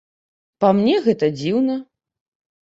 Па мне, гэта дзіўна.